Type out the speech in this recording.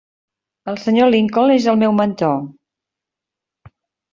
El Sr. Lincoln és el meu mentor.